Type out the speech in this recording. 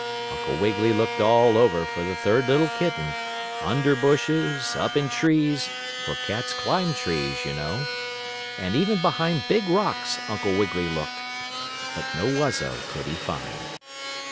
Uncle Wiggily looked all over for the third little kitten, under bushes, up in trees (for cats climb trees, you know), and even behind big rocks Uncle Wiggily looked. But no Wuzzo could he find.